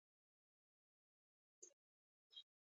تلپاتې او ځلانده.